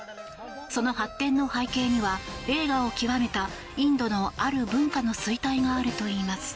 その発展の背景には栄華を極めたインドのある文化の衰退があるといいます。